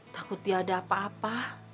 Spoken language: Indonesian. takut dia ada apa apa